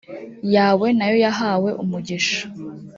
yawe na yo yahawe umugisha